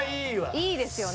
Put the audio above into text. いいですよね。